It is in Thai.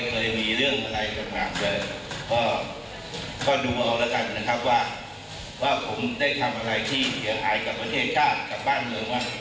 เพราะฉะนั้นก็อยากจะฝากทุกสายสหายหลักทุกคนนะ